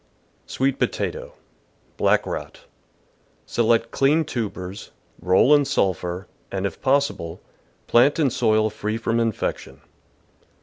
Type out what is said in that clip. Sweet Potato. — Black Rot. — Select clean tubers, roll in sulphur, and, if possible, plant in soil free from infection.